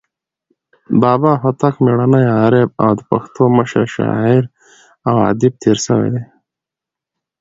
بابا هوتک میړنى، عارف او د پښتو مشر شاعر او ادیب تیر سوى دئ.